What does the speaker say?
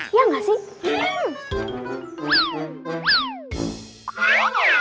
iya gak sih